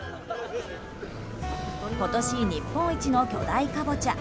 今年日本一の巨大カボチャ。